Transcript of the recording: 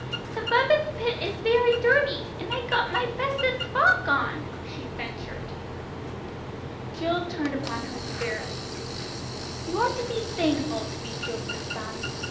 "The rubbith pit is very dirty, and I've got my bestest frock on," she ventured. Jill turned upon her severely. "You ought to be thankful to be Joseph, Bumps.